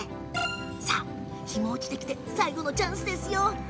さあ、日も落ちてきて最後のチャンスですよ。